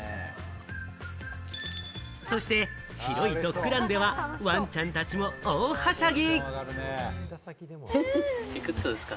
そして広いドッグランでは、わんちゃんたちも大はしゃぎ！